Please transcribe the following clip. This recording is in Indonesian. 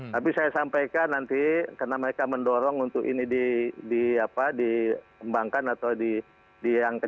tapi saya sampaikan nanti karena mereka mendorong untuk ini dikembangkan atau diangkat